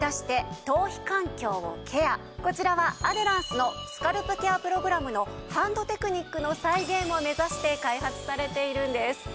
こちらはアデランスのスカルプケアプログラムのハンドテクニックの再現を目指して開発されているんです。